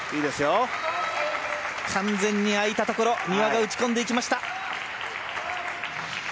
完全に空いたところに丹羽が打ち込んでいきました。